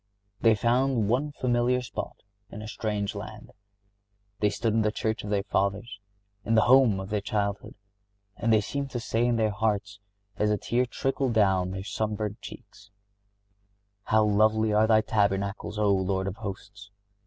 They found one familiar spot in a strange land. They stood in the church of their fathers, in the home of their childhood; and they seemed to say in their hearts, as a tear trickled down their sun burnt cheeks, "How lovely are thy tabernacles, O Lord of Hosts!